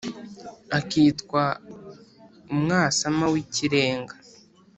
akitwa umwasama w'ikirenga.